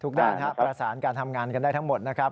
ถูกได้นะครับประสานการทำงานกันได้ทั้งหมดนะครับ